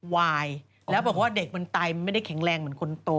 วายแล้วบอกว่าเด็กมันไตมันไม่ได้แข็งแรงเหมือนคนโต